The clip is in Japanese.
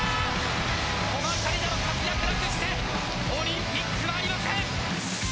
古賀紗理那の活躍なくしてオリンピックはありません。